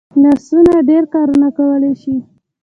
لاسونه ډېر کارونه کولی شي